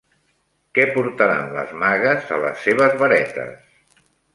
Què portaran les magues a les seves varetes?